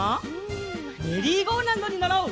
メリーゴーラウンドにのろう！